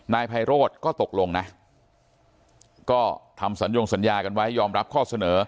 นายไพโรธก็ตกลงนะก็ทำสัญญงสัญญากันไว้ยอมรับข้อเสนอ